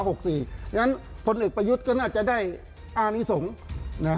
เพราะฉะนั้นพลเอกประยุทธ์ก็น่าจะได้อานิสงฆ์